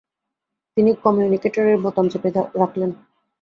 তিনি কম্যুনিকেটরের বোতাম চেপে রাখলেন।